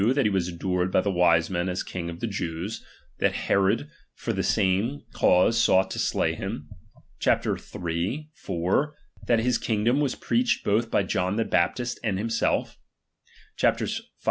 that he was adored by the ^H wise men as king of the Jews ; that Herod for the ^H same cause sought to slay him : chap, iii., iv., that ^H his kingdom was preached both by John the Bap ^H tist and himself : chapters v.